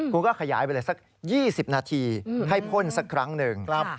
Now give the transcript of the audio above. คุณก็ขยายไปเลยสัก๒๐นาทีให้พ่นสักครั้งหนึ่ง